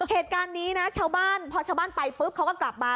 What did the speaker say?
เหตุการณ์นี้นะชาวบ้านพอชาวบ้านไปปุ๊บเขาก็กลับมา